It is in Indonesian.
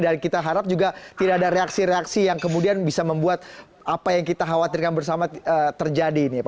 dan kita harap juga tidak ada reaksi reaksi yang kemudian bisa membuat apa yang kita khawatirkan bersama terjadi